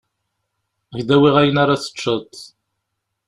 Ad k-d-awiɣ ayen ara teččeḍ.